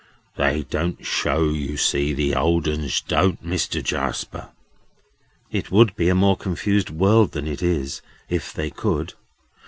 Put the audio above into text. "They don't show, you see, the old uns don't, Mister Jarsper!" "It would be a more confused world than it is, if they could."